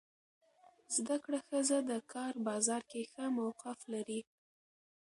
زده کړه ښځه د کار بازار کې ښه موقف لري.